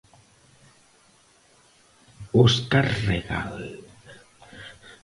Óscar Regal.